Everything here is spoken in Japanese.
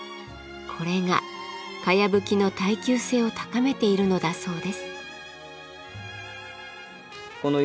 これがかやぶきの耐久性を高めているのだそうです。